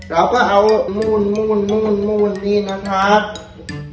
เราก็เอามามูนเนี่ยนะครับ